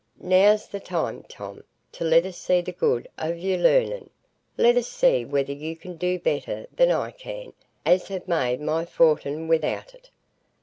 Now's the time, Tom, to let us see the good o' your learning. Let us see whether you can do better than I can, as have made my fortin without it.